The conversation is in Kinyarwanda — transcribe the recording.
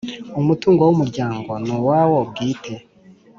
Umutungo w Umuryango ni uwawo bwite .